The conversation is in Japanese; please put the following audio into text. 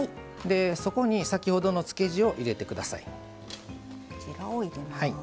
そこに先ほどの漬け地を入れてください。